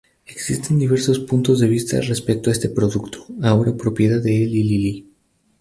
Existen diversos puntos de vista respecto a este producto, ahora propiedad de Eli Lilly.